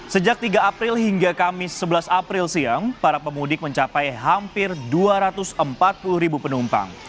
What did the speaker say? sejak tiga april hingga kamis sebelas april siang para pemudik mencapai hampir dua ratus empat puluh ribu penumpang